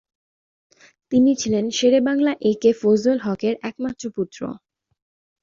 তিনি ছিলেন শেরে বাংলা একে ফজলুল হকের একমাত্র পুত্র।